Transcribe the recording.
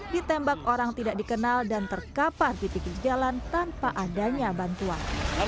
john dutton ditembak orang tidak dikenal dan terkapar di pikir jalan tanpa adanya bantuan